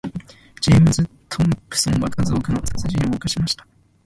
ジェームズトムプソンは数多くの殺人を犯しました。